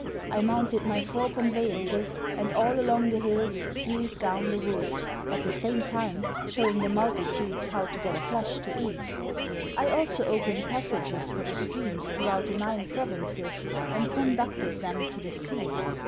I mounted my four conveyances, and all along the hills hewed down the woods, at the same time showing the multitudes how to get flesh to eat. I also opened passages for the streams throughout the nine provinces and conducted them to the sea.